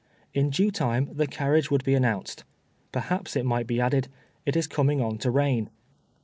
In due time, the carriage would be announced. Perhaps it might be added, "It is coming on to rain."